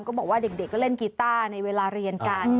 บอกว่าเด็กก็เล่นกีต้าในเวลาเรียนกัน